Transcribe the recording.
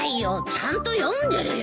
ちゃんと読んでるよ。